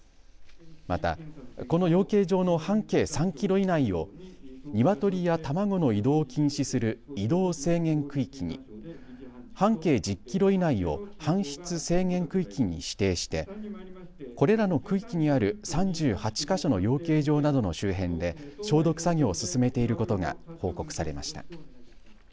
また、この養鶏場の半径３キロ以内をニワトリや卵の移動を禁止する移動制限区域に、半径１０キロ以内を搬出制限区域に指定してこれらの区域にある３８か所の養鶏場などの周辺で消毒作業を進めていることが報告されました。